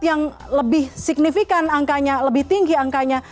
yang lebih signifikan angkanya lebih tinggi angkanya